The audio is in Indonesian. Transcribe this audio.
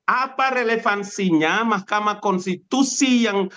apa relevansinya mahkamah konstitusi yang